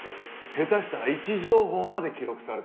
下手したら位置情報まで記録されてるんです。